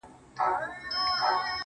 اې دا دی خپل وجود تراسمه چي مو نه خوښيږي~